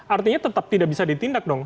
artinya tetap tidak bisa ditindak dong